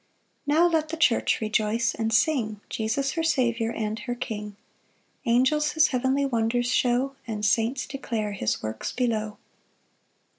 6 Now let the church rejoice and sing Jesus her Saviour and her King: Angels his heavenly wonders show, And saints declare his works below.